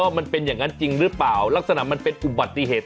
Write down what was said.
มันเป็นอย่างนั้นจริงหรือเปล่าลักษณะมันเป็นอุบัติเหตุ